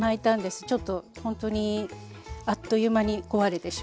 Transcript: ちょっとほんとにあっという間に壊れてしまって。